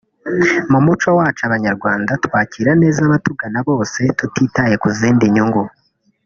mu muco wacu Abanyarwanda twakira neza abatugana bose tutitaye ku zindi nyungu"